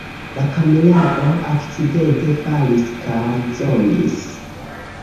La kamerao akcidente falis kaj zomis